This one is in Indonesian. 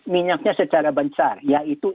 minyaknya secara bencar yaitu